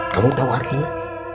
kamu tahu artinya